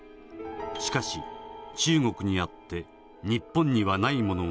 しかし中国にあって日本にはないものがある。